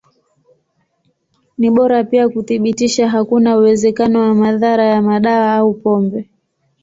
Ni bora pia kuthibitisha hakuna uwezekano wa madhara ya madawa au pombe.